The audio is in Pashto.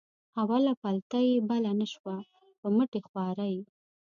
اوله پلته یې بله نه شوه په مټې خوارۍ.